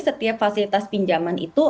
setiap fasilitas pinjaman itu